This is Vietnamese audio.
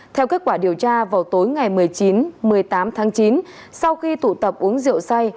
theo kết quả điều tra vào tối ngày một mươi chín một mươi tám tháng chín sau khi tụ tập uống rượu say